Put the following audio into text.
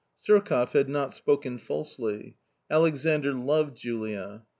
S Surkoff had not spoken fdsely; Alexandr loved Julia.